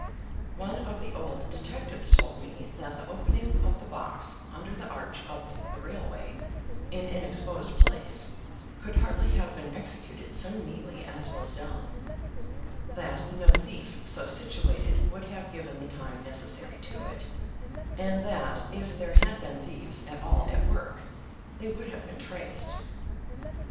One of the old detectives told me that the opening of the box under the arch of the railway, in an exposed place, could hardly have been executed so neatly as was done; that no thief so situated would have given the time necessary to it; and that, if there had been thieves at all at work, they would have been traced.